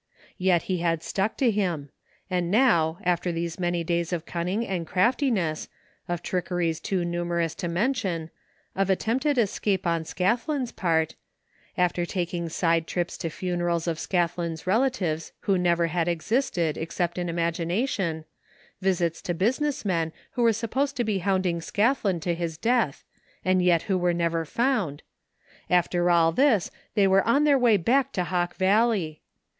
Yet he had stuck to him ; and now, after these many days of cunning and craftiness, of trickeries too numerous to mention, of attempted escape on Scathlin's part; after taking side trips to funerals of Scathlin's relatives who never had existed, except in imagination ; visits to busi ness men who were supposed to be hounding Scathlin to his death and yet who were never found, — after all this they were on their way back to Hawk Valley